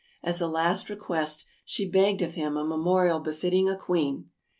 As a last request she begged of him a memorial befitting a queen.